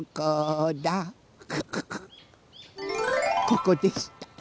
ここでした。